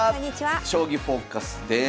「将棋フォーカス」です。